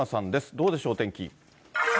どうでしょう、お天気。